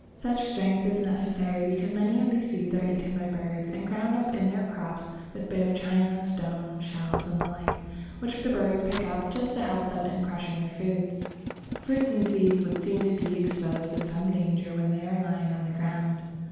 Such strength is necessary because many of these seeds are eaten by birds and ground up in their crops with bits of china, stones, shells, and the like, which the birds pick up just to help them in crushing their food. Fruits and seeds would seem to be exposed to some danger when they are lying on the ground.